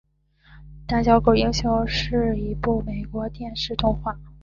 胆小狗英雄是一出美国电视动画。